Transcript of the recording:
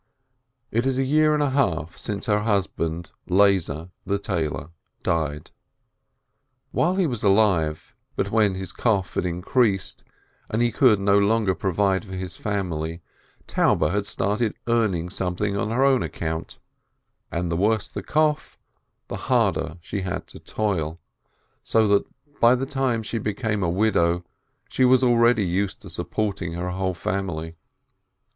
It is a year and a half since her husband, Lezer the tailor, died. While he was still alive, but when his cough had increased, and he could no longer provide for his family, Taube had started earning something on her own account, and the worse the cough, the harder she had to toil, so that by the time she became a widow, she was already used to supporting her whole family.